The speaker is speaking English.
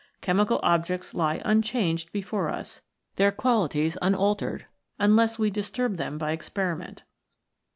Chemical objects lie unchanged before us, their qualities unaltered, unless we disturb them by experiment.